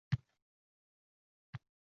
Soya-salqin bog’larga..